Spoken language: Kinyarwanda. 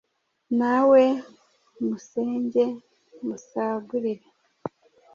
Na we musenge, musagurire